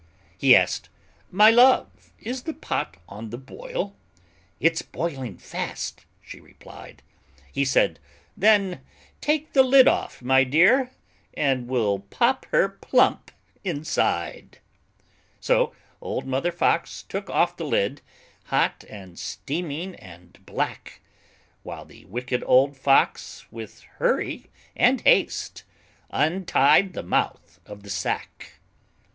He asked, "My love, is the pot on the boil?" "It's boiling fast," she replied. He said, "Then take the lid off, my dear, And we'll pop her plump inside!" So Old Mother Fox took off the lid, Hot and steaming and black, While the Wicked Old Fox, with hurry and haste, Untied the mouth of the sack.